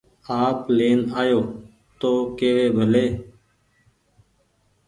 آپ لين آيو تو ڪيوي ڀلي